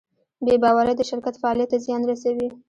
بېباورۍ د شرکت فعالیت ته زیان رسوي.